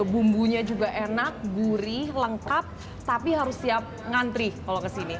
bumbunya juga enak gurih lengkap tapi harus siap ngantri kalau kesini